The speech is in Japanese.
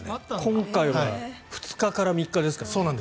今回は２日から３日ですから。